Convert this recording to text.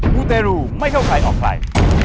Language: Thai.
มูเตรูไม่เข้าใครออกใคร